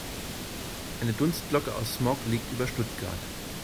Eine Dunstglocke aus Smog liegt über Stuttgart.